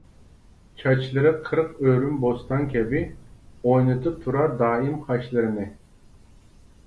چاچلىرى قىرىق ئۆرۈم بوستان كەبى، ئوينىتىپ تۇرار دائىم قاشلىرىنى.